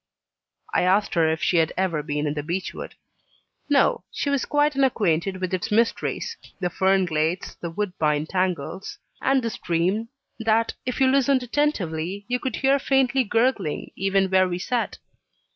I asked her if she had ever been in the beech wood. No; she was quite unacquainted with its mysteries the fern glades, the woodbine tangles, and the stream, that, if you listened attentively, you could hear faintly gurgling even where we sat.